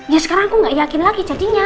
ya sekarang aku gak yakin lagi jadinya